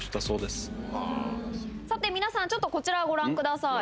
さて皆さんちょっとこちらをご覧ください。